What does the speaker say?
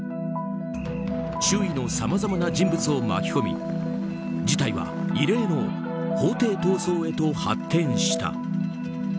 周囲のさまざまな人物を巻き込み事態は異例の法廷闘争へと発展した。